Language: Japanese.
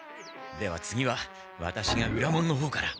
では次はワタシが裏門の方から。